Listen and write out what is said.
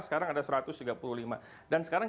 sekarang ada satu ratus tiga puluh lima dan sekarang